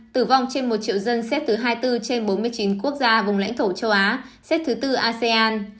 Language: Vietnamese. tử vong trên một triệu dân xét thứ hai mươi bốn trên bốn mươi chín quốc gia vùng lãnh thổ châu á xét thứ bốn asean